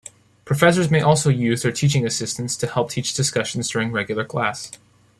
Professors may also use their teaching assistants to help teach discussions during regular class.